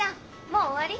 もう終わり？